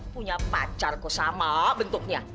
punya pacar kok sama bentuknya